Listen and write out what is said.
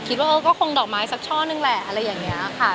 คิดว่าเออก็คงดอกไม้สักช่อนึงแหละอะไรอย่างนี้ค่ะ